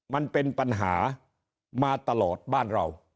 มันเป็นปัญหามาตลอดบ้านเรา